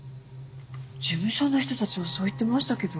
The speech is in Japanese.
事務所の人たちはそう言ってましたけど。